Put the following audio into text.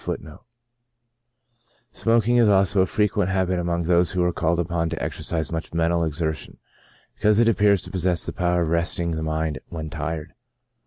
* Smoking is also a frequent habit among those who are called upon to exercise much mental exer tion, because it appears to possess the power of resting the mind when tired.